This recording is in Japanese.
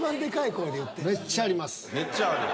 めっちゃある？